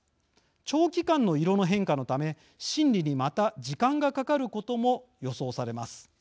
長期間の色の変化のため審理に、また時間がかかることも予想されます。